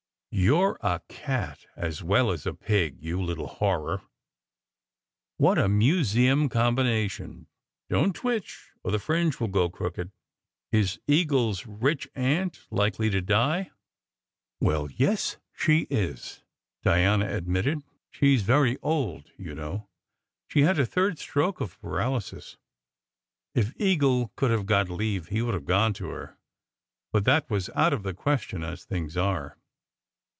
"You re a cat as well as a pig, you little horror!" "What a museum combination! Don t twitch, or the fringe will go crooked. Is Eagle s rich aunt likely to die?" "Well, yes, she is," Diana admitted. "She s very old, you know. She s had a third stroke of paralysis. If Eagle 84 SECRET HISTORY could have got leave he would have gone to her, but that was out of the question as things are."